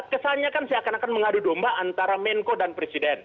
kesannya kan seakan akan mengadu domba antara menko dan presiden